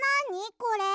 これ。